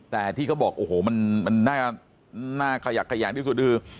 แต่ที่เขาบอกโอ้โหมันน่าขยักแขยันที่สุดคือ